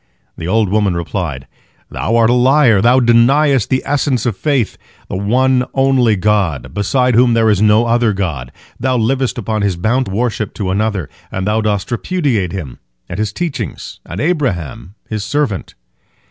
The old woman replied: "Thou art a liar, thou deniest the essence of faith, the One Only God, beside whom there is no other god. Thou livest upon His bounty, but thou payest worship to another, and thou dost repudiate Him, and His teachings, and Abraham His servant."